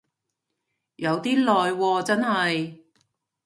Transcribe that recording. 有啲耐喎真係